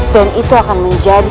dan itu akan menjadi